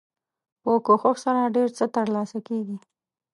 په کوښښ سره ډیر څه تر لاسه کیږي.